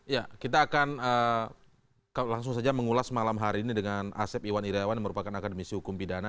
ya kita akan langsung saja mengulas malam hari ini dengan asep iwan iryawan yang merupakan akademisi hukum pidana